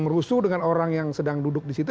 merusuh dengan orang yang sedang duduk disitu